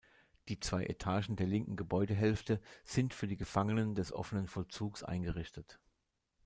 Die zwei Etagen der linken Gebäudehälfte sind für die Gefangenen des offenen Vollzugs eingerichtet.